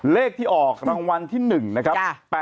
เลขที่ออกรางวัลที่๑นะครับ